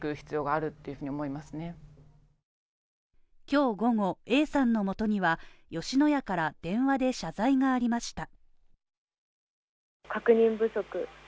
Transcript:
今日午後、Ａさんのもとには、吉野家から電話で謝罪がありました。